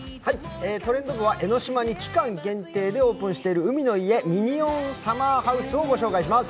「トレンド部」は江の島に期間限定でオープンしている海の家ミニオンサマーハウスをご紹介します。